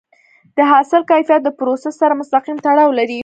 د حاصل کیفیت د پروسس سره مستقیم تړاو لري.